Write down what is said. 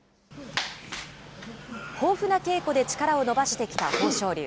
豊富な稽古で力を伸ばしてきた豊昇龍。